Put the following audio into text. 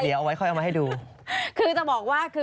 เดี๋ยวเอาไว้ค่อยเอามาให้ดู